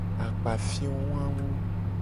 Akpafio wawo.